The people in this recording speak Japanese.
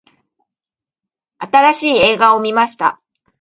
新しい映画を観ました。